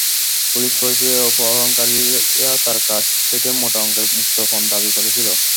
Police পরিচয়ে অপহরণকারীরা তাঁর কাছ থেকে মোটা অঙ্কের মুক্তিপণ দাবি করেছিল।